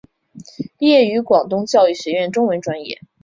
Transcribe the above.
毕业于广东教育学院中文专业。